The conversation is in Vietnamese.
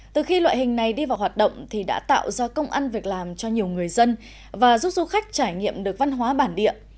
từ khi loại hình này đi vào hoạt động thì đã tạo ra công ăn việc làm cho nhiều người dân và giúp du khách trải nghiệm được văn hóa bản địa